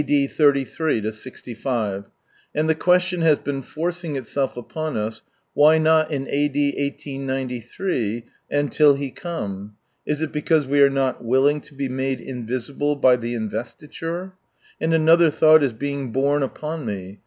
o. 33 to 65, and the question has been forcing itaelf upon us, why not in a.d. 1893, and till He come? Is it because "we are not willing to be made invisible by the investiture"? And another thought is being borne upon me.